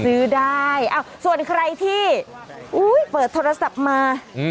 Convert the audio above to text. ซื้อได้เอ้าส่วนใครที่อุ้ยเปิดโทรศัพท์มาอืม